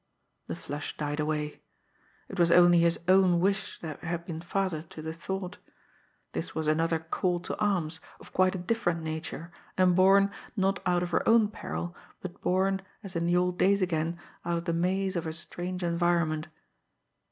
The flush died away. It was only his own wish that had been father to the thought. This was another "call to arms" of quite a different nature, and born, not out of her own peril, but born, as in the old days again, out of the maze of her strange environment.